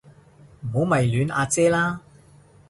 唔好迷戀阿姐啦